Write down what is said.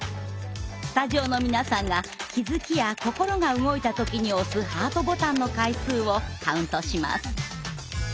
スタジオの皆さんが気づきや心が動いたときに押すハートボタンの回数をカウントします。